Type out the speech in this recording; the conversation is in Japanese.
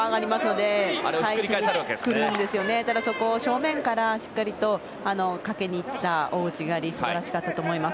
でも正面からしっかりとかけに行った大内刈り素晴らしかったと思います。